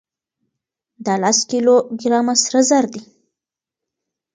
دا لس کيلو ګرامه سره زر دي.